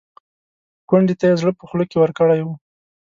کونډې ته یې زړه په خوله کې ورکړی و.